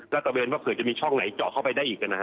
รัตเตอร์เวนก็เผื่อจะมีช่องไหนเจาะเข้าไปได้อีกก็น่ะฮะ